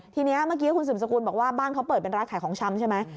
ทีนี้เมื่อกี้คุณสืบสกุลบอกว่าบ้านเขาเปิดเป็นร้านขายของชำใช่ไหม